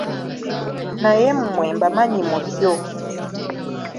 Naye mmwe mbamanyi mutyo.